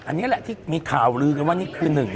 อันนี้แหละที่มีข่าวลือกันว่านี่คือหนึ่ง